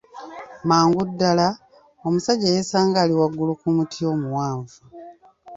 Mangu ddala, omusajja yeesanga ali waggulu ku muti omuwanvu.